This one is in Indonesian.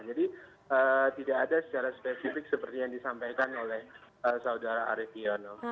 jadi tidak ada secara spesifik seperti yang disampaikan oleh saudara arefiano